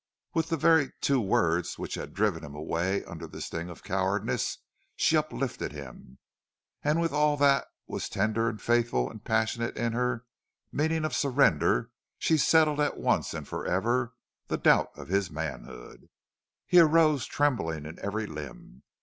With the very two words which had driven him away under the sting of cowardice she uplifted him; and with all that was tender and faithful and passionate in her meaning of surrender she settled at once and forever the doubt of his manhood. He arose trembling in every limb.